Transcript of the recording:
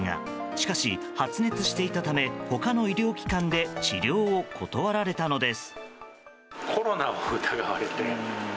しかし、発熱していたため他の医療機関で治療を断られたのです。